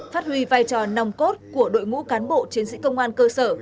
phát huy vai trò nòng cốt của đội ngũ cán bộ chiến sĩ công an cơ sở